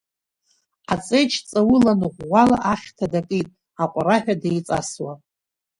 Аҵеџь ҵаулан, ӷәӷәала ахьҭа дакит, аҟәараҳәа деиҵасуа.